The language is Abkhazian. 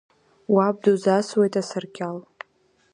Уаб дузасуеит асаркьал!